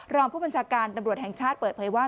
รองผู้บัญชาการตำรวจแห่งชาติเปิดเผยว่า